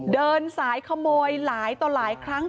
เดินสายขโมยหลายต่อหลายครั้ง